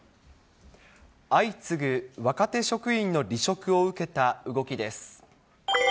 相次ぐ若手職員の離職を受けた動きです。